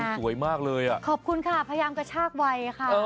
สวยมากเลยอ่ะขอบคุณค่ะพยายามกระชากวัยค่ะ